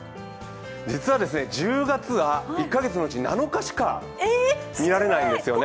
実は１０月は１カ月のうち７日しか見られないんですよね。